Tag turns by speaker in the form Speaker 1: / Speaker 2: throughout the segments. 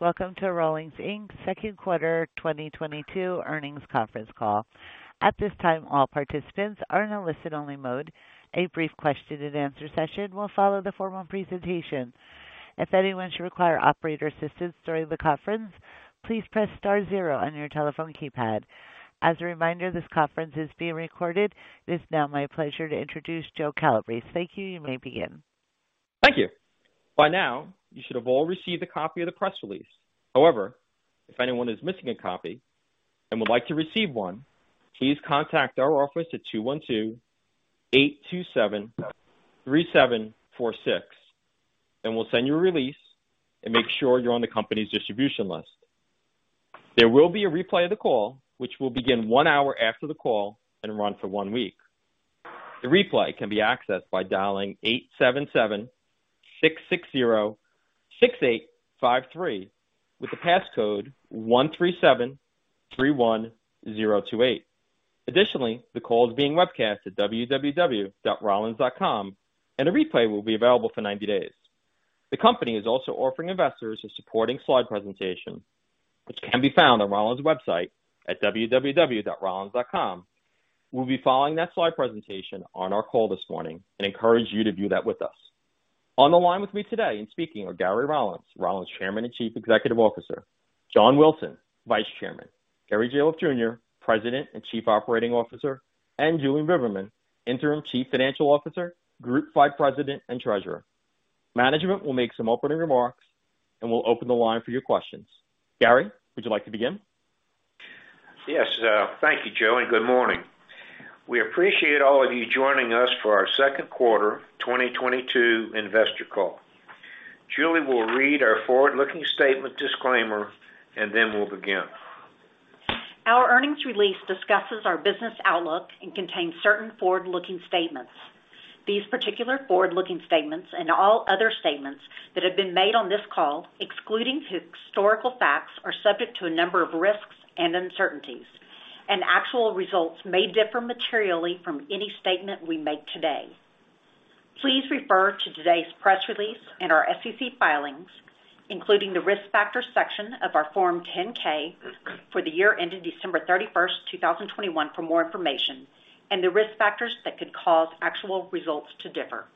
Speaker 1: Welcome to Rollins, Inc.'s second quarter 2022 earnings conference call. At this time, all participants are in a listen only mode. A brief question and answer session will follow the formal presentation. If anyone should require operator assistance during the conference, please press star zero on your telephone keypad. As a reminder, this conference is being recorded. It is now my pleasure to introduce Joe Calabrese. Thank you. You may begin.
Speaker 2: Thank you. By now, you should have all received a copy of the press release. However, if anyone is missing a copy and would like to receive one, please contact our office at 212-827-3746, and we'll send you a release and make sure you're on the company's distribution list. There will be a replay of the call, which will begin one hour after the call and run for one week. The replay can be accessed by dialing 877-660-6853 with the passcode 13731028. Additionally, the call is being webcast at www.rollins.com and a replay will be available for 90 days. The company is also offering investors a supporting slide presentation which can be found on Rollins' website at www.rollins.com. We'll be following that slide presentation on our call this morning and encourage you to view that with us. On the line with me today and speaking are Gary W. Rollins Chairman and Chief Executive Officer. John F. Wilson, Vice Chairman. Jerry Gahlhoff Jr., President and Chief Operating Officer, and Julie Bimmerman, Interim Chief Financial Officer, Group Vice President and Treasurer. Management will make some opening remarks and we'll open the line for your questions. Gary, would you like to begin?
Speaker 3: Yes. Thank you, Joe, and good morning. We appreciate all of you joining us for our second quarter 2022 investor call. Julie will read our forward-looking statement disclaimer and then we'll begin.
Speaker 4: Our earnings release discusses our business outlook and contains certain forward-looking statements. These particular forward-looking statements and all other statements that have been made on this call, excluding historical facts, are subject to a number of risks and uncertainties, and actual results may differ materially from any statement we make today. Please refer to today's press release and our SEC filings, including the Risk Factors section of our Form 10-K for the year ended December 31, 2021 for more information and the risk factors that could cause actual results to differ.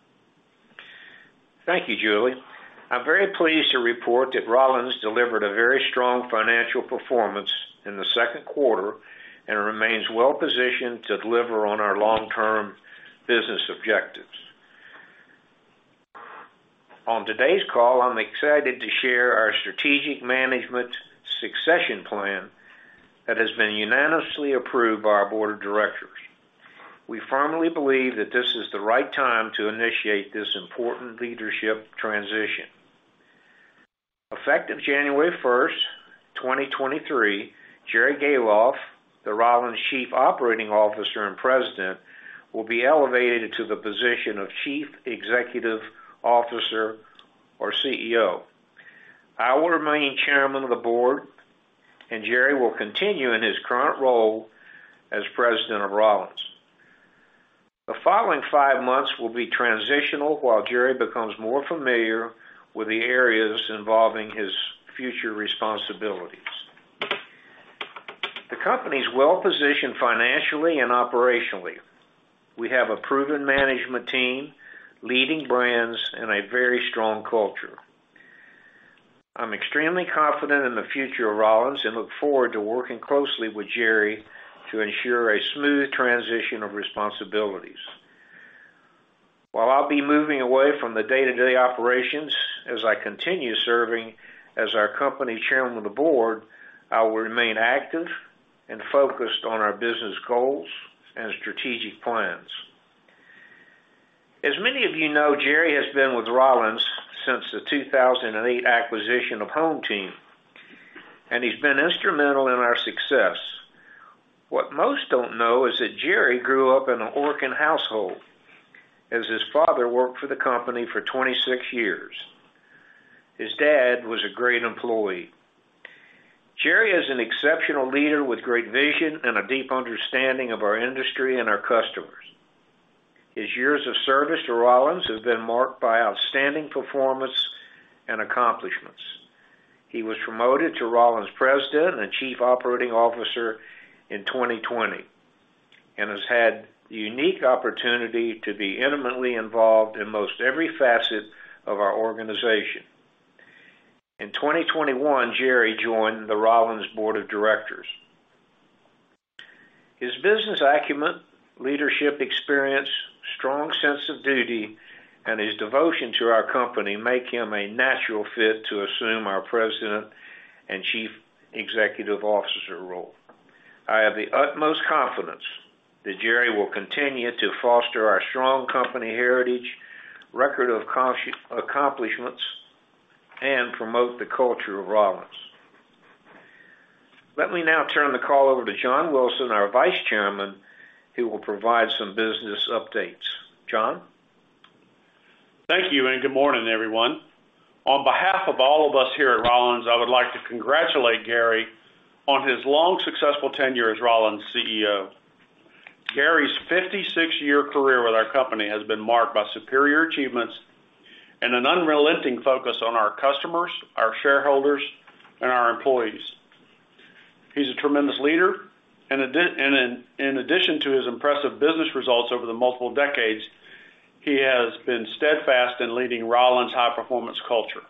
Speaker 3: Thank you, Julie. I'm very pleased to report that Rollins delivered a very strong financial performance in the second quarter and remains well positioned to deliver on our long-term business objectives. On today's call, I'm excited to share our strategic management succession plan that has been unanimously approved by our board of directors. We firmly believe that this is the right time to initiate this important leadership transition. Effective January 1, 2023, Jerry Gahlhoff, the Rollins Chief Operating Officer and President, will be elevated to the position of chief executive officer or CEO. I will remain Chairman of the Board and Jerry will continue in his current role as President of Rollins. The following five months will be transitional while Jerry becomes more familiar with the areas involving his future responsibilities. The company is well positioned financially and operationally. We have a proven management team, leading brands and a very strong culture. I'm extremely confident in the future of Rollins and look forward to working closely with Jerry to ensure a smooth transition of responsibilities. While I'll be moving away from the day-to-day operations as I continue serving as our company chairman of the board, I will remain active and focused on our business goals and strategic plans. As many of you know, Jerry has been with Rollins since the 2008 acquisition of HomeTeam, and he's been instrumental in our success. What most don't know is that Jerry grew up in an Orkin household as his father worked for the company for 26 years. His dad was a great employee. Jerry is an exceptional leader with great vision and a deep understanding of our industry and our customers. His years of service to Rollins has been marked by outstanding performance and accomplishments. He was promoted to Rollins president and chief operating officer in 2020 and has had the unique opportunity to be intimately involved in most every facet of our organization. In 2021, Jerry joined the Rollins board of directors. His business acumen, leadership experience, strong sense of duty, and his devotion to our company make him a natural fit to assume our president and chief executive officer role. I have the utmost confidence that Jerry will continue to foster our strong company heritage, record of accomplishments, and promote the culture of Rollins. Let me now turn the call over to John Wilson, our Vice Chairman, who will provide some business updates. John?
Speaker 5: Thank you and good morning, everyone. On behalf of all of us here at Rollins, I would like to congratulate Jerry on his long, successful tenure as Rollins CEO. Gary's 56-year career with our company has been marked by superior achievements and an unrelenting focus on our customers, our shareholders, and our employees. He's a tremendous leader. In addition to his impressive business results over the multiple decades, he has been steadfast in leading Rollins high-performance culture.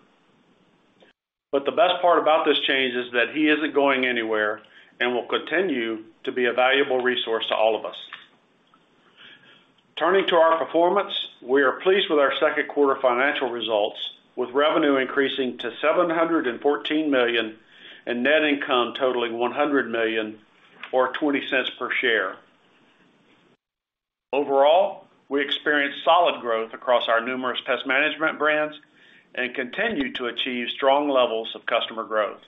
Speaker 5: The best part about this change is that he isn't going anywhere, and will continue to be a valuable resource to all of us. Turning to our performance, we are pleased with our second quarter financial results, with revenue increasing to $714 million, and net income totaling $100 million or $0.20 per share. Overall, we experienced solid growth across our numerous pest management brands and continue to achieve strong levels of customer growth.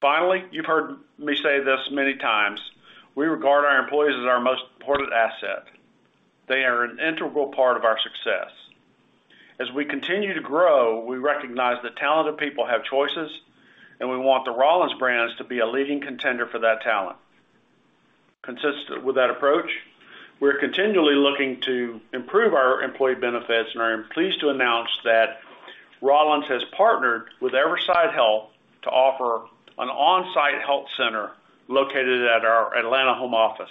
Speaker 5: Finally, you've heard me say this many times, we regard our employees as our most important asset. They are an integral part of our success. As we continue to grow, we recognize that talented people have choices, and we want the Rollins brands to be a leading contender for that talent. Consistent with that approach, we're continually looking to improve our employee benefits and are pleased to announce that Rollins has partnered with Everside Health to offer an on-site health center located at our Atlanta home office.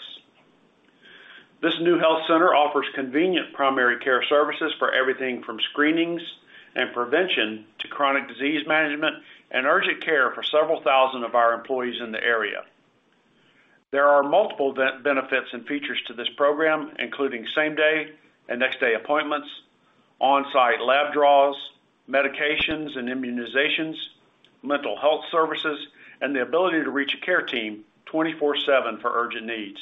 Speaker 5: This new health center offers convenient primary care services for everything from screenings and prevention to chronic disease management and urgent care for several thousand of our employees in the area. There are multiple benefits and features to this program, including same-day and next-day appointments, on-site lab draws, medications and immunizations, mental health services, and the ability to reach a care team 24/7 for urgent needs.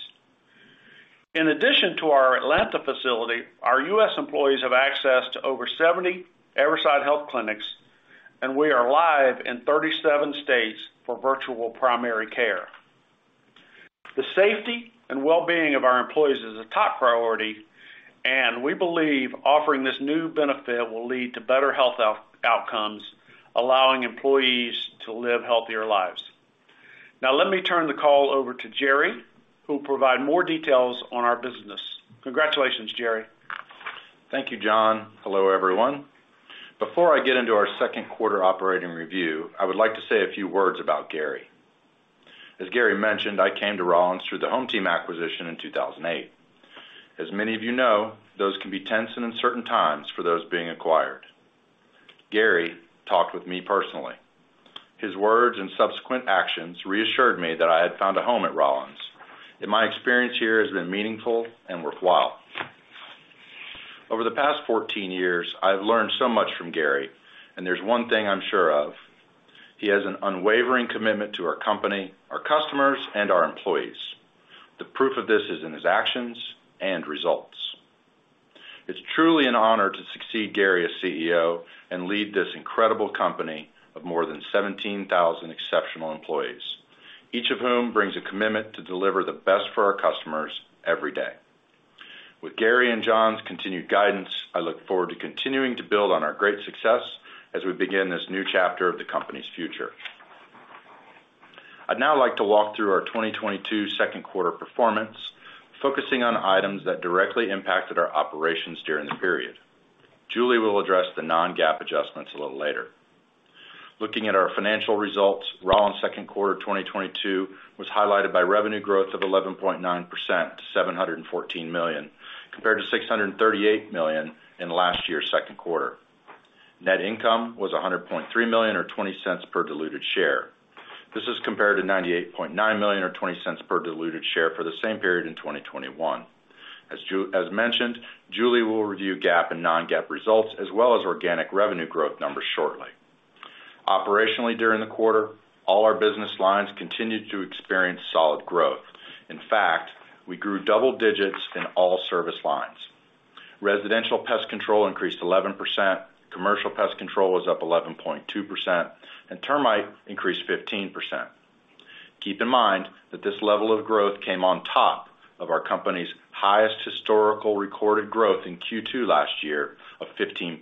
Speaker 5: In addition to our Atlanta facility, our U.S. employees have access to over 70 Everside Health clinics, and we are live in 37 states for virtual primary care. The safety and well-being of our employees is a top priority, and we believe offering this new benefit will lead to better health outcomes, allowing employees to live healthier lives. Now, let me turn the call over to Jerry, who'll provide more details on our business. Congratulations, Jerry.
Speaker 6: Thank you, John. Hello, everyone. Before I get into our second quarter operating review, I would like to say a few words about Gary. As Gary mentioned, I came to Rollins through the HomeTeam acquisition in 2008. As many of you know, those can be tense and uncertain times for those being acquired. Gary talked with me personally. His words and subsequent actions reassured me that I had found a home at Rollins, and my experience here has been meaningful and worthwhile. Over the past 14 years, I've learned so much from Gary, and there's one thing I'm sure of, he has an unwavering commitment to our company, our customers, and our employees. The proof of this is in his actions and results. It's truly an honor to succeed Gary as CEO and lead this incredible company of more than 17,000 exceptional employees, each of whom brings a commitment to deliver the best for our customers every day. With Gary and John's continued guidance, I look forward to continuing to build on our great success as we begin this new chapter of the company's future. I'd now like to walk through our 2022 second quarter performance, focusing on items that directly impacted our operations during the period. Julie will address the non-GAAP adjustments a little later. Looking at our financial results, Rollins second quarter 2022 was highlighted by revenue growth of 11.9%, $714 million, compared to $638 million in last year's second quarter. Net income was $100.3 million or $0.20 per diluted share. This is compared to $98.9 million or $0.20 per diluted share for the same period in 2021. As mentioned, Julie will review GAAP and non-GAAP results as well as organic revenue growth numbers shortly. Operationally during the quarter, all our business lines continued to experience solid growth. In fact, we grew double digits in all service lines. Residential pest control increased 11%, commercial pest control was up 11.2%, and termite increased 15%. Keep in mind that this level of growth came on top of our company's highest historical recorded growth in Q2 last year of 15.3%.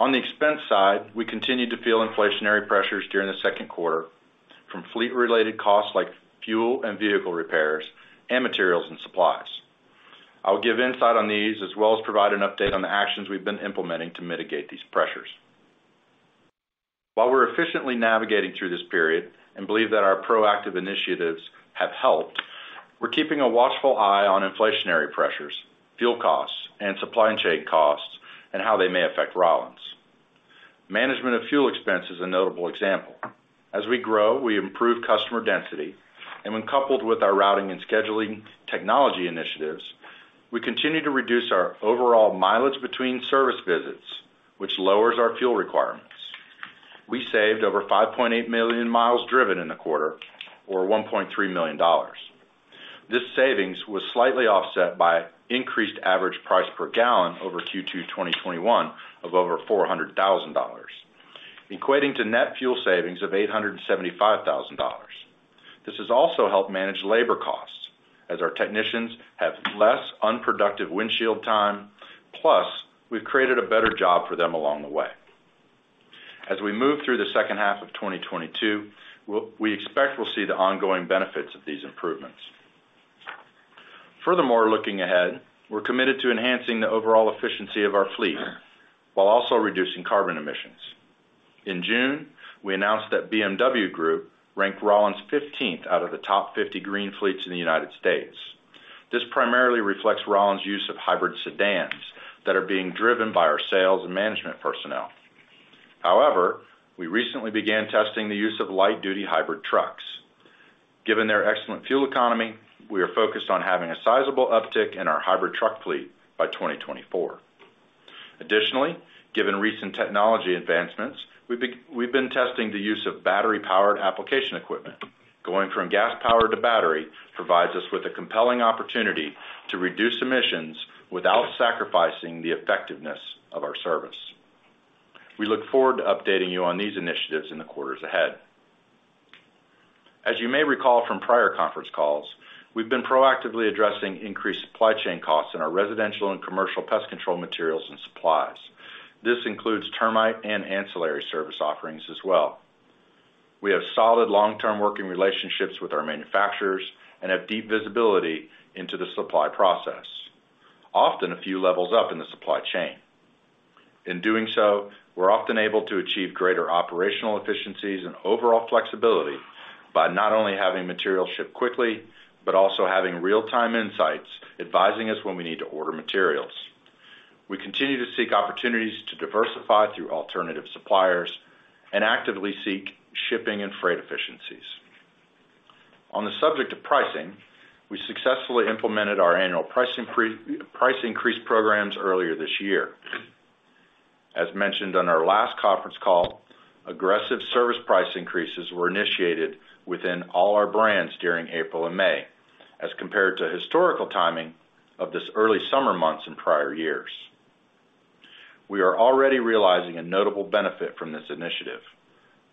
Speaker 6: On the expense side, we continued to feel inflationary pressures during the second quarter from fleet-related costs like fuel and vehicle repairs, and materials and supplies. I'll give insight on these as well as provide an update on the actions we've been implementing to mitigate these pressures. While we're efficiently navigating through this period and believe that our proactive initiatives have helped, we're keeping a watchful eye on inflationary pressures, fuel costs, and supply chain costs and how they may affect Rollins. Management of fuel expense is a notable example. As we grow, we improve customer density, and when coupled with our routing and scheduling technology initiatives, we continue to reduce our overall mileage between service visits, which lowers our fuel requirements. We saved over 5.8 million miles driven in the quarter or $1.3 million. This savings was slightly offset by increased average price per gallon over Q2 2021 of over $400,000, equating to net fuel savings of $875,000. This has also helped manage labor costs as our technicians have less unproductive windshield time, plus we've created a better job for them along the way. As we move through the second half of 2022, we expect we'll see the ongoing benefits of these improvements. Furthermore, looking ahead, we're committed to enhancing the overall efficiency of our fleet while also reducing carbon emissions. In June, we announced that BMW Group ranked Rollins 15th out of the top 50 green fleets in the United States. This primarily reflects Rollins' use of hybrid sedans that are being driven by our sales and management personnel. However, we recently began testing the use of light-duty hybrid trucks. Given their excellent fuel economy, we are focused on having a sizable uptick in our hybrid truck fleet by 2024. Additionally, given recent technology advancements, we've been testing the use of battery-powered application equipment. Going from gas-powered to battery provides us with a compelling opportunity to reduce emissions without sacrificing the effectiveness of our service. We look forward to updating you on these initiatives in the quarters ahead. As you may recall from prior conference calls, we've been proactively addressing increased supply chain costs in our residential and commercial pest control materials and supplies. This includes termite and ancillary service offerings as well. We have solid long-term working relationships with our manufacturers and have deep visibility into the supply process, often a few levels up in the supply chain. In doing so, we're often able to achieve greater operational efficiencies and overall flexibility by not only having material ship quickly but also having real-time insights advising us when we need to order materials. We continue to seek opportunities to diversify through alternative suppliers and actively seek shipping and freight efficiencies. On the subject of pricing, we successfully implemented our annual price increase programs earlier this year. As mentioned on our last conference call, aggressive service price increases were initiated within all our brands during April and May as compared to historical timing of this early summer months in prior years. We are already realizing a notable benefit from this initiative,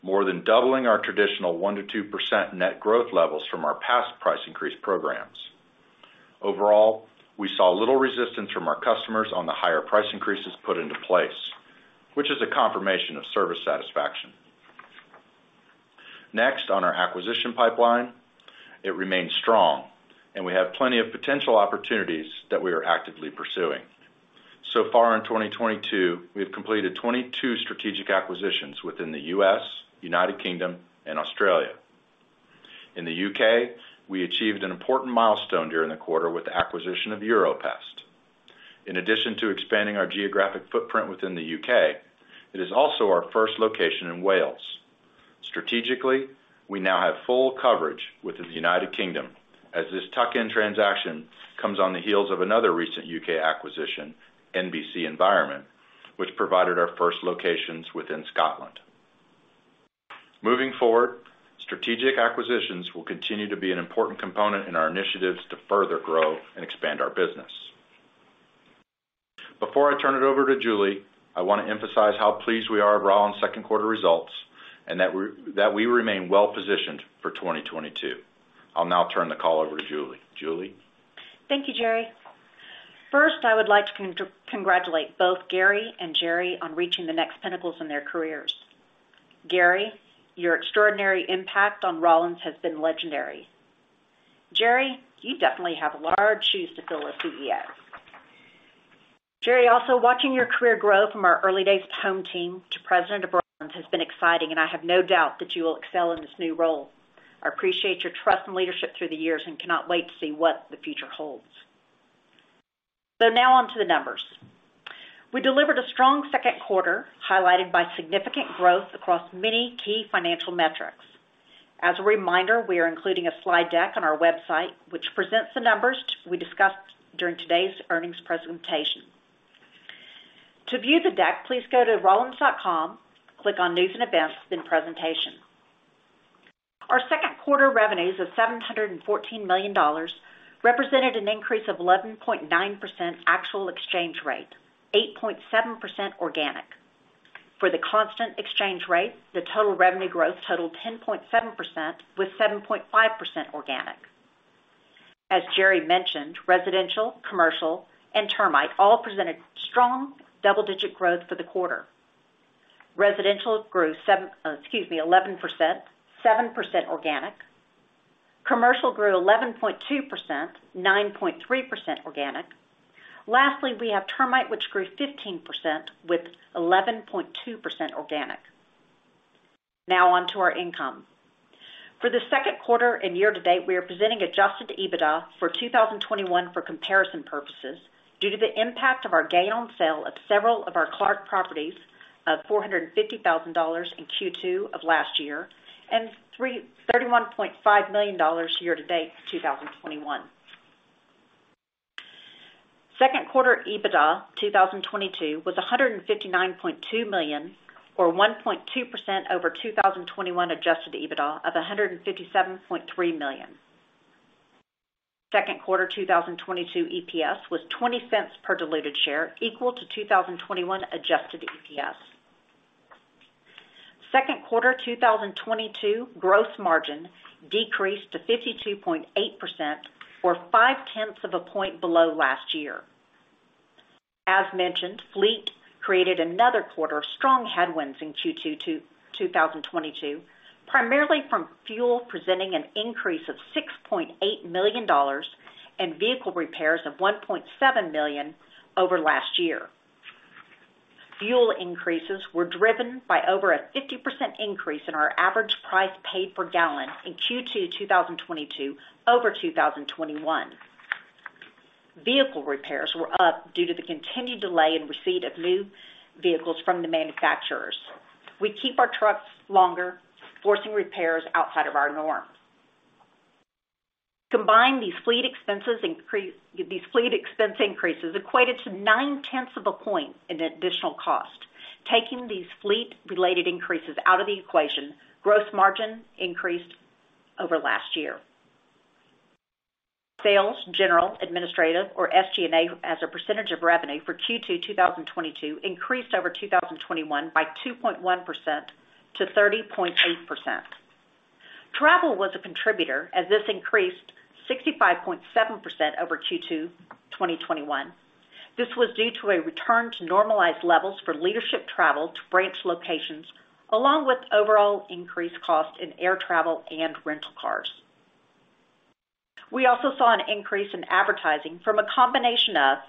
Speaker 6: more than doubling our traditional 1%-2% net growth levels from our past price increase programs. Overall, we saw little resistance from our customers on the higher price increases put into place, which is a confirmation of service satisfaction. Next, on our acquisition pipeline, it remains strong, and we have plenty of potential opportunities that we are actively pursuing. So far in 2022, we have completed 22 strategic acquisitions within the U.S., United Kingdom, and Australia. In the U.K., we achieved an important milestone during the quarter with the acquisition of Europest. In addition to expanding our geographic footprint within the U.K., it is also our first location in Wales. Strategically, we now have full coverage within the United Kingdom as this tuck-in transaction comes on the heels of another recent U.K. acquisition, NBC Environment, which provided our first locations within Scotland. Moving forward, strategic acquisitions will continue to be an important component in our initiatives to further grow and expand our business. Before I turn it over to Julie, I wanna emphasize how pleased we are of Rollins' second quarter results and that we remain well-positioned for 2022. I'll now turn the call over to Julie. Julie?
Speaker 4: Thank you, Jerry. First, I would like to congratulate both Gary and Jerry on reaching the next pinnacles in their careers. Gary, your extraordinary impact on Rollins has been legendary. Jerry, you definitely have large shoes to fill as CEO. Jerry, also watching your career grow from our early days HomeTeam to President of Rollins has been exciting, and I have no doubt that you will excel in this new role. I appreciate your trust and leadership through the years and cannot wait to see what the future holds. Now on to the numbers. We delivered a strong second quarter, highlighted by significant growth across many key financial metrics. As a reminder, we are including a slide deck on our website, which presents the numbers we discussed during today's earnings presentation. To view the deck, please go to rollins.com, click on News & Events, then Presentation. Our second quarter revenues of $714 million represented an increase of 11.9% actual exchange rate, 8.7% organic. For the constant exchange rate, the total revenue growth totaled 10.7% with 7.5% organic. As Jerry mentioned, residential, commercial, and termite all presented strong double-digit growth for the quarter. Residential grew 11%, 7% organic. Commercial grew 11.2%, 9.3% organic. Lastly, we have termite, which grew 15% with 11.2% organic. Now on to our income. For the second quarter and year to date, we are presenting adjusted EBITDA for 2021 for comparison purposes due to the impact of our gain on sale of several of our Clark properties of $450,000 in Q2 of last year and $31.5 million year to date 2021. Second quarter EBITDA 2022 was $159.2 million or 1.2% over 2021 adjusted EBITDA of $157.3 million. Second quarter 2022 EPS was $0.20 per diluted share equal to 2021 adjusted EPS. Second quarter 2022 gross margin decreased to 52.8% or 0.5 of a point below last year. As mentioned, fleet created another quarter of strong headwinds in Q2 2022, primarily from fuel presenting an increase of $6.8 million and vehicle repairs of $1.7 million over last year. Fuel increases were driven by over a 50% increase in our average price paid per gallon in Q2 2022 over 2021. Vehicle repairs were up due to the continued delay in receipt of new vehicles from the manufacturers. We keep our trucks longer, forcing repairs outside of our norm. Combined, these fleet expense increases equated to 0.9 of a point in additional cost. Taking these fleet related increases out of the equation, gross margin increased over last year. Sales, general, administrative or SG&A as a percentage of revenue for Q2 2022 increased over 2021 by 2.1% to 30.8%. Travel was a contributor as this increased 65.7% over Q2 2021. This was due to a return to normalized levels for leadership travel to branch locations, along with overall increased costs in air travel and rental cars. We also saw an increase in advertising from a combination of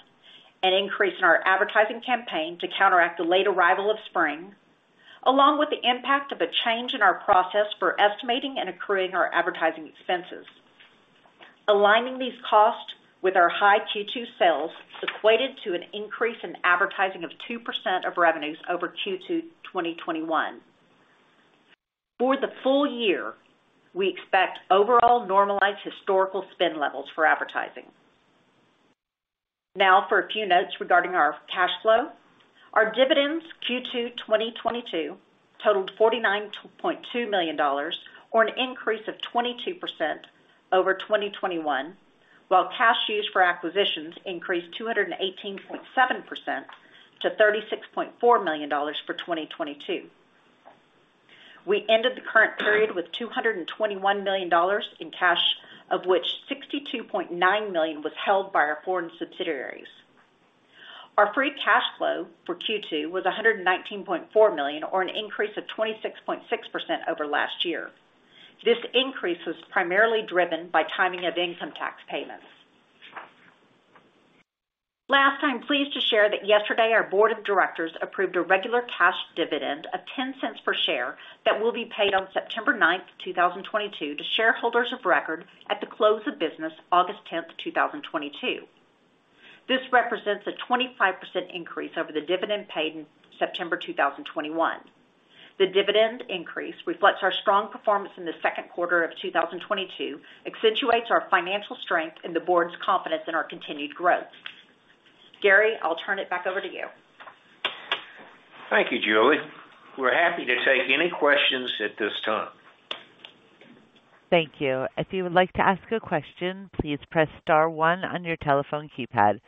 Speaker 4: an increase in our advertising campaign to counteract the late arrival of spring, along with the impact of a change in our process for estimating and accruing our advertising expenses. Aligning these costs with our high Q2 sales equated to an increase in advertising of 2% of revenues over Q2 2021. For the full year, we expect overall normalized historical spend levels for advertising. Now for a few notes regarding our cash flow. Our dividends Q2 2022 totaled $49.2 million, or an increase of 22% over 2021, while cash used for acquisitions increased 218.7% to $36.4 million for 2022. We ended the current period with $221 million in cash, of which $62.9 million was held by our foreign subsidiaries. Our free cash flow for Q2 was $119.4 million, or an increase of 26.6% over last year. This increase was primarily driven by timing of income tax payments. I'm pleased to share that yesterday our board of directors approved a regular cash dividend of $0.10 per share that will be paid on September 9, 2022 to shareholders of record at the close of business August 10, 2022. This represents a 25% increase over the dividend paid in September 2021. The dividend increase reflects our strong performance in the second quarter of 2022, accentuates our financial strength and the board's confidence in our continued growth. Gary, I'll turn it back over to you.
Speaker 3: Thank you, Julie. We're happy to take any questions at this time.
Speaker 1: Thank you. If you would like to ask a question, please press star one on your telephone keypad.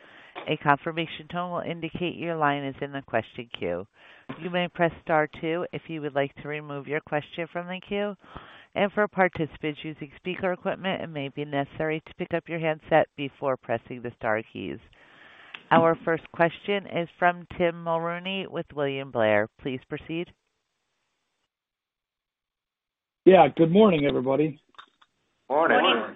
Speaker 1: A confirmation tone will indicate your line is in the question queue. You may press star two if you would like to remove your question from the queue. For participants using speaker equipment, it may be necessary to pick up your handset before pressing the star keys. Our first question is from Tim Mulrooney with William Blair. Please proceed.
Speaker 7: Yeah, good morning, everybody.
Speaker 3: Morning.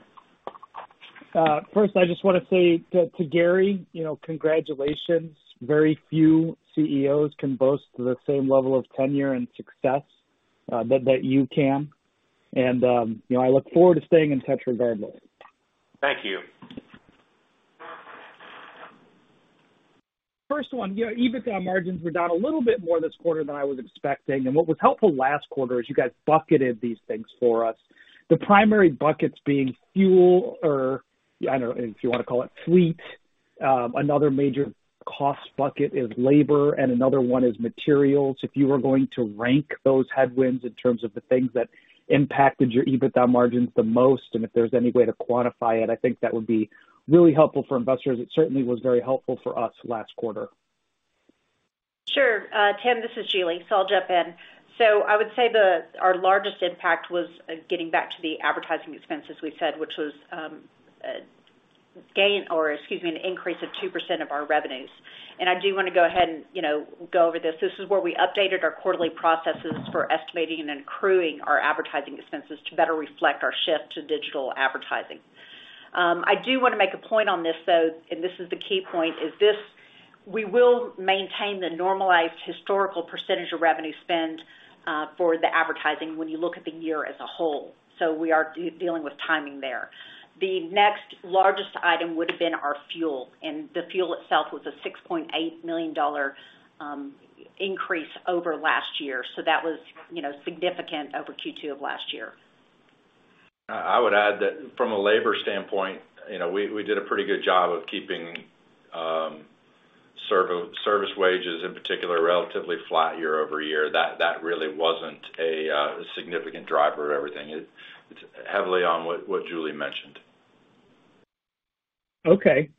Speaker 4: Morning.
Speaker 7: First, I just wanna say to Gary, you know, congratulations. Very few CEOs can boast the same level of tenure and success, that you can. You know, I look forward to staying in touch regardless.
Speaker 3: Thank you.
Speaker 7: First one, you know, EBITDA margins were down a little bit more this quarter than I was expecting. What was helpful last quarter is you guys bucketed these things for us, the primary buckets being fuel or, I don't know if you wanna call it fleet. Another major cost bucket is labor, and another one is materials. If you were going to rank those headwinds in terms of the things that impacted your EBITDA margins the most, and if there's any way to quantify it, I think that would be really helpful for investors. It certainly was very helpful for us last quarter.
Speaker 4: Sure. Tim Mulrooney, this is Julie Bimmerman, I'll jump in. I would say our largest impact was getting back to the advertising expense, as we said, which was an increase of 2% of our revenues. I do wanna go ahead and, you know, go over this. This is where we updated our quarterly processes for estimating and accruing our advertising expenses to better reflect our shift to digital advertising. I do wanna make a point on this, though, and this is the key point, is this. We will maintain the normalized historical percentage of revenue spend for the advertising when you look at the year as a whole. We are dealing with timing there. The next largest item would have been our fuel. The fuel itself was a $6.8 million increase over last year. That was, you know, significant over Q2 of last year.
Speaker 3: I would add that from a labor standpoint, you know, we did a pretty good job of keeping service wages, in particular, relatively flat year-over-year. That really wasn't a significant driver of everything. It's heavily on what Julie mentioned.
Speaker 7: Okay.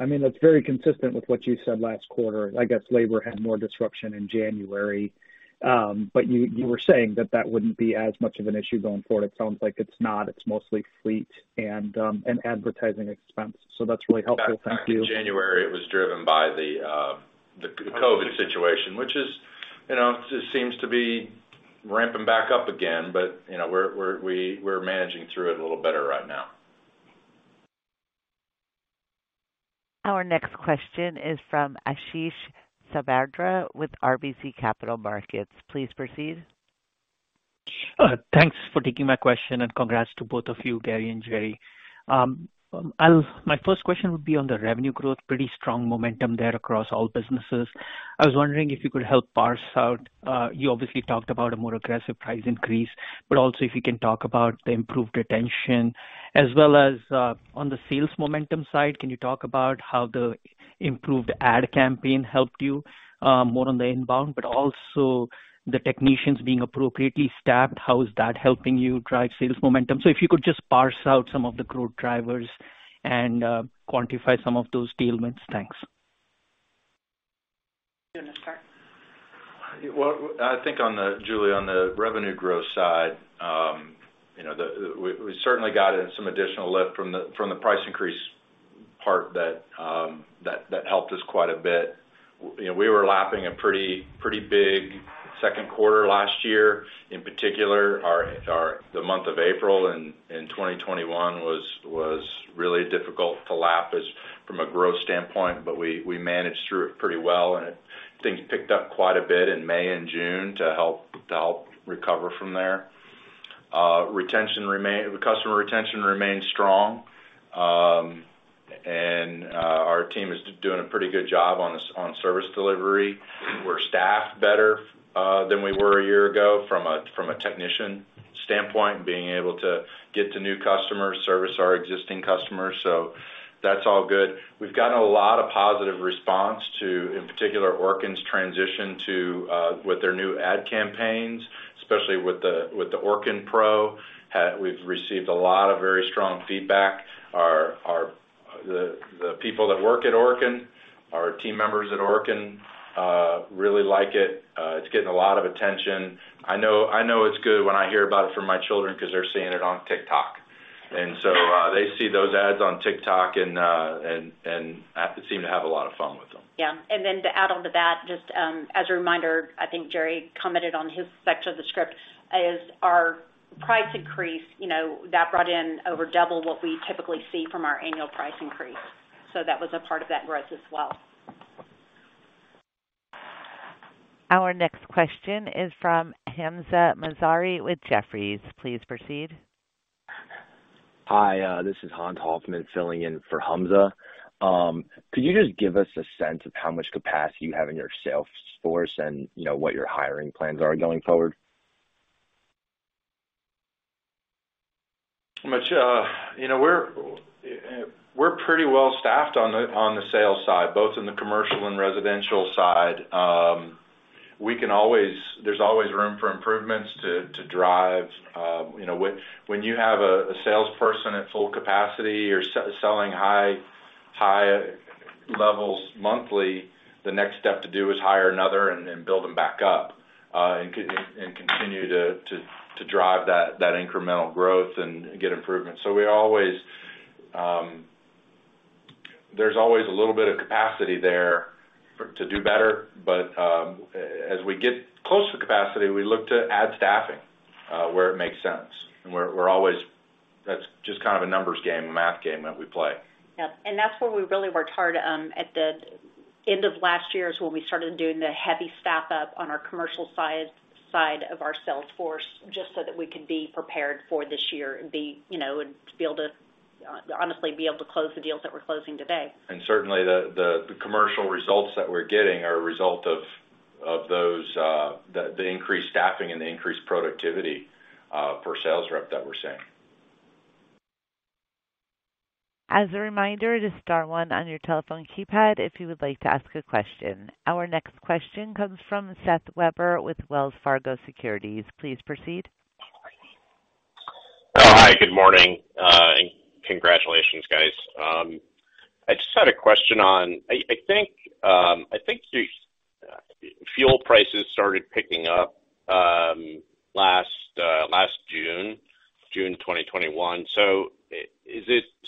Speaker 7: I mean, that's very consistent with what you said last quarter. I guess labor had more disruption in January. You were saying that wouldn't be as much of an issue going forward. It sounds like it's not. It's mostly fleet and advertising expense. That's really helpful. Thank you.
Speaker 6: That time in January, it was driven by the COVID situation, which is, you know, just seems to be ramping back up again. You know, we're managing through it a little better right now.
Speaker 1: Our next question is from Ashish Sabadra with RBC Capital Markets. Please proceed.
Speaker 8: Thanks for taking my question, and congrats to both of you, Gary and Jerry. I'll my first question would be on the revenue growth. Pretty strong momentum there across all businesses. I was wondering if you could help parse out, you obviously talked about a more aggressive price increase, but also if you can talk about the improved retention as well as, on the sales momentum side, can you talk about how the improved ad campaign helped you, more on the inbound, but also the technicians being appropriately staffed, how is that helping you drive sales momentum? If you could just parse out some of the growth drivers and, quantify some of those deal wins. Thanks.
Speaker 4: Do you want to start?
Speaker 6: Well, I think Julie, on the revenue growth side, you know, we certainly got some additional lift from the price increase part that helped us quite a bit. You know, we were lapping a pretty big second quarter last year. In particular, the month of April in 2021 was really difficult to lap from a growth standpoint, but we managed through it pretty well. Things picked up quite a bit in May and June to help recover from there. Customer retention remains strong, and our team is doing a pretty good job on service delivery. We're staffed better than we were a year ago from a technician standpoint, being able to get to new customers, service our existing customers. That's all good. We've gotten a lot of positive response to, in particular, Orkin's transition with their new ad campaigns, especially with the Orkin Pro. We've received a lot of very strong feedback. Our team members at Orkin really like it. It's getting a lot of attention. I know it's good when I hear about it from my children because they're seeing it on TikTok. They see those ads on TikTok and seem to have a lot of fun with them.
Speaker 4: Yeah. To add on to that, just, as a reminder, I think Jerry commented on his section of the script, is our price increase, you know, that brought in over double what we typically see from our annual price increase. That was a part of that growth as well.
Speaker 1: Our next question is from Hamzah Mazari with Jefferies. Please proceed.
Speaker 9: Hi, this is Hans Hoffman filling in for Hamzah. Could you just give us a sense of how much capacity you have in your sales force and, you know, what your hiring plans are going forward?
Speaker 6: Much, you know, we're pretty well staffed on the sales side, both in the commercial and residential side. We can always. There's always room for improvements to drive. You know, when you have a salesperson at full capacity or selling high levels monthly, the next step to do is hire another and build them back up and continue to drive that incremental growth and get improvement. So we always. There's always a little bit of capacity there to do better. But as we get close to capacity, we look to add staffing where it makes sense. We're always. That's just kind of a numbers game, a math game that we play.
Speaker 4: Yeah. That's where we really worked hard at the end of last year is when we started doing the heavy staff-up on our commercial side of our sales force, just so that we could be prepared for this year and be, you know, and to be able to honestly be able to close the deals that we're closing today.
Speaker 6: Certainly, the commercial results that we're getting are a result of those, the increased staffing and the increased productivity per sales rep that we're seeing.
Speaker 1: As a reminder, it is star one on your telephone keypad if you would like to ask a question. Our next question comes from Seth Weber with Wells Fargo Securities. Please proceed.
Speaker 10: Oh, hi, good morning. Congratulations, guys. I just had a question. I think fuel prices started picking up last June 2021.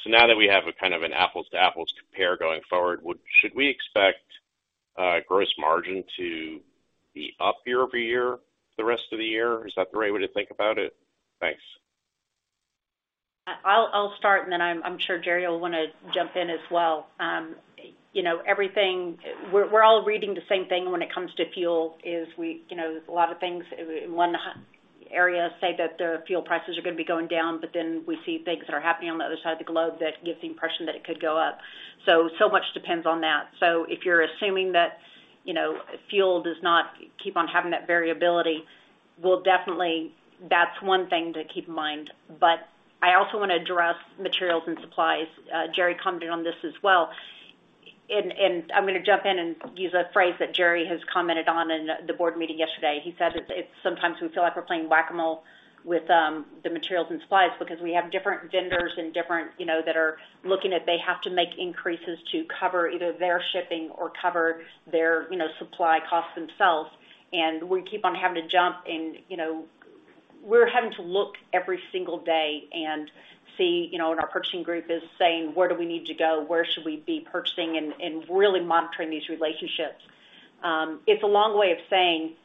Speaker 10: Now that we have a kind of an apples-to-apples compare going forward, should we expect gross margin to be up year-over-year for the rest of the year? Is that the right way to think about it? Thanks.
Speaker 4: I'll start, and then I'm sure Jerry will wanna jump in as well. You know, everything we're all reading the same thing when it comes to fuel is we, you know, there's a lot of things. One area says that their fuel prices are gonna be going down, but then we see things that are happening on the other side of the globe that give the impression that it could go up. So much depends on that. If you're assuming that, you know, fuel does not keep on having that variability, we'll definitely. That's one thing to keep in mind. But I also wanna address materials and supplies. Jerry commented on this as well. I'm gonna jump in and use a phrase that Jerry has commented on in the board meeting yesterday. He said it's sometimes we feel like we're playing Whac-A-Mole with the materials and supplies because we have different vendors and different, you know, that are looking at they have to make increases to cover either their shipping or cover their supply costs themselves. We keep on having to jump and, you know, we're having to look every single day and see, you know, and our purchasing group is saying, "Where do we need to go? Where should we be purchasing?" and really monitoring these relationships. It's a long way of saying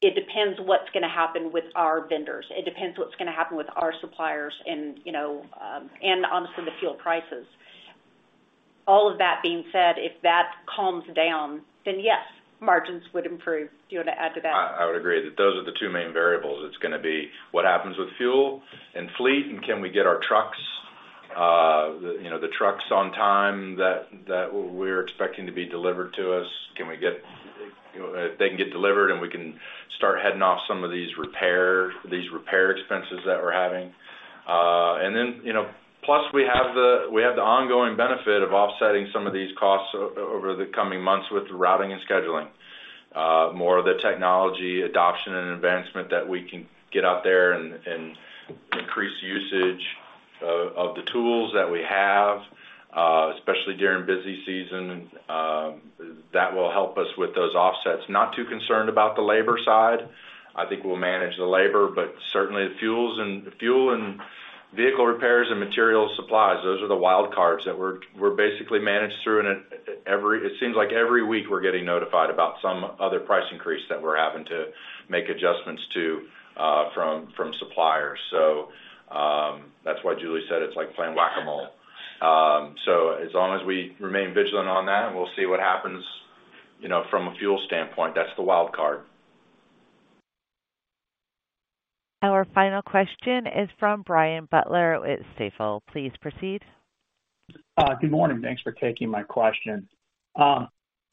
Speaker 4: it depends what's gonna happen with our vendors. It depends what's gonna happen with our suppliers and, you know, and honestly, the fuel prices. All of that being said, if that calms down, then yes, margins would improve. Do you want to add to that?
Speaker 6: I would agree that those are the two main variables. It's gonna be what happens with fuel and fleet and can we get our trucks the trucks on time that we're expecting to be delivered to us. Can we get if they can get delivered, and we can start heading off some of these repair expenses that we're having. Plus we have the ongoing benefit of offsetting some of these costs over the coming months with routing and scheduling. More of the technology adoption and advancement that we can get out there and increase usage of the tools that we have, especially during busy season, that will help us with those offsets. Not too concerned about the labor side. I think we'll manage the labor, but certainly the fuel and vehicle repairs and material supplies, those are the wild cards that we're basically managed through. It seems like every week we're getting notified about some other price increase that we're having to make adjustments to, from suppliers. That's why Julie said it's like playing Whac-A-Mole. As long as we remain vigilant on that, and we'll see what happens, you know, from a fuel standpoint. That's the wild card.
Speaker 1: Our final question is from Brian Butler with Stifel. Please proceed.
Speaker 11: Good morning. Thanks for taking my question.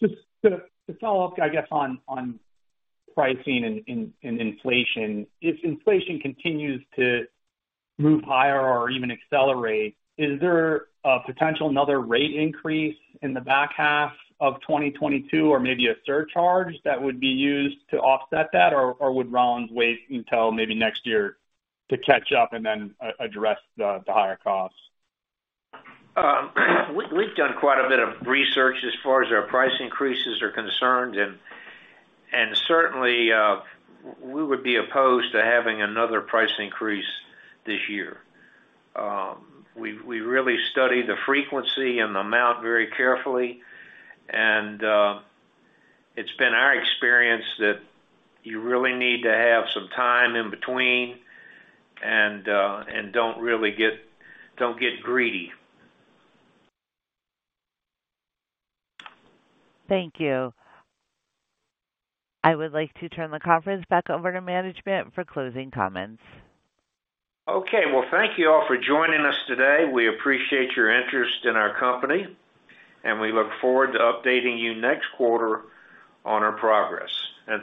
Speaker 11: Just to follow up, I guess, on pricing and inflation. If inflation continues to move higher or even accelerate, is there a potential another rate increase in the back half of 2022 or maybe a surcharge that would be used to offset that? Or would Rollins wait until maybe next year to catch up and then address the higher costs?
Speaker 3: We've done quite a bit of research as far as our price increases are concerned. Certainly, we would be opposed to having another price increase this year. We really study the frequency and amount very carefully, and it's been our experience that you really need to have some time in between, and don't really get greedy.
Speaker 1: Thank you. I would like to turn the conference back over to management for closing comments.
Speaker 3: Okay. Well, thank you all for joining us today. We appreciate your interest in our company, and we look forward to updating you next quarter on our progress.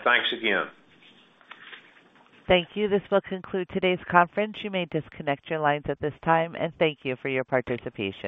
Speaker 3: Thanks again.
Speaker 1: Thank you. This will conclude today's conference. You may disconnect your lines at this time, and thank you for your participation.